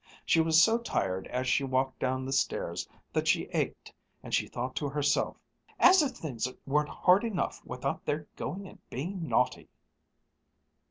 She was so tired as she walked down the stairs that she ached, and she thought to herself, "As if things weren't hard enough without their going and being naughty